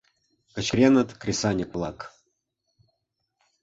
— кычкыреныт кресаньык-влак.